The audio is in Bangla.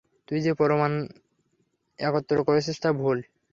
তুই যে প্রমাণ একত্র করেছিস তা ভুল!